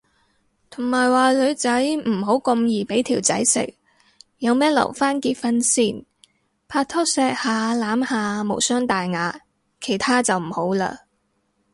同埋話女仔唔好咁易俾條仔食，有咩留返結婚先，拍拖錫下攬下無傷大雅，其他就唔好嘞